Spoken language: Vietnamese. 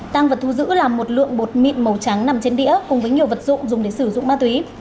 tăng vật thu giữ là một lượng bột mịn màu trắng nằm trên đĩa cùng với nhiều vật dụng dùng để sử dụng ma túy